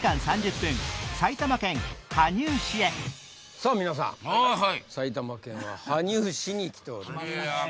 さぁ皆さん埼玉県は羽生市に来ております。